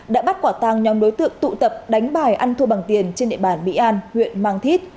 đã bắt quả tăng nhóm đối tượng tụ tập đánh bài ăn thua bằng tiền trên địa bàn mỹ an huyện mang thít